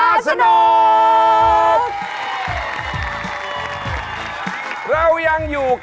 มันรถประหาสนุก